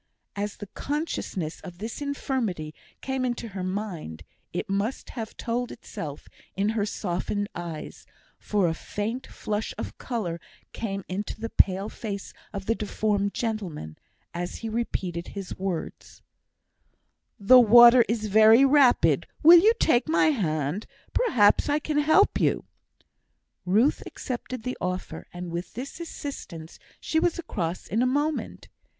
As the consciousness of this infirmity came into her mind, it must have told itself in her softened eyes, for a faint flush of colour came into the pale face of the deformed gentleman, as he repeated his words: "The water is very rapid; will you take my hand? Perhaps I can help you." Ruth accepted the offer, and with this assistance she was across in a moment.